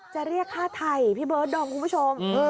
เรียกค่าไทยพี่เบิร์ดดอมคุณผู้ชม